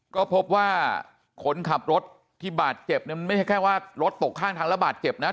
ก็พบว่าคนขับรถที่บาดเจ็บเนี่ยมันไม่ใช่แค่ว่ารถตกข้างทางแล้วบาดเจ็บนะ